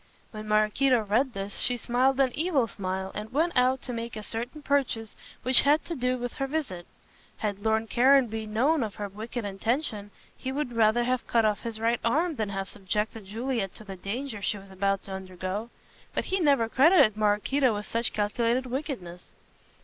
When Maraquito read this she smiled an evil smile and went out to make a certain purchase which had to do with her visit. Had Lord Caranby known of her wicked intention he would rather have cut off his right arm than have subjected Juliet to the danger she was about to undergo. But he never credited Maraquito with such calculated wickedness.